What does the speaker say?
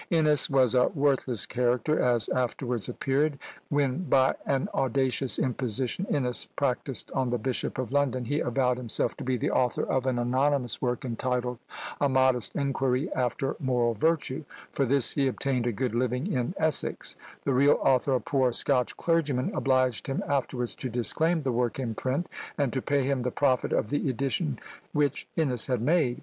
Innes was a worthless character; as afterwards appeared, when by an audacious imposition Innes practised on the Bishop of London, he avowed himself to be the author of an anonymous work, entitled "A Modest Inquiry after Moral Virtue;" for this he obtained a good living in Essex: the real author, a poor Scotch clergyman, obliged him afterwards to disclaim the work in print, and to pay him the profit of the edition which Innes had made!